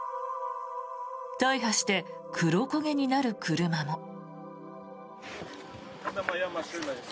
大破して黒焦げになる車も。